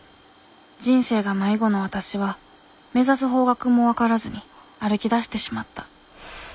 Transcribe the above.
人生が迷子のわたしは目指す方角も分からずに歩きだしてしまった。